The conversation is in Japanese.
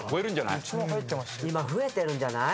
今増えてるんじゃない？